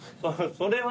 それは。